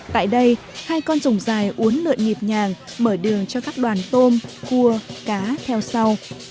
tại đây hai con rồng dài uốn lượn nhịp nhàng mở đường cho các đoàn tôm cua cá theo sau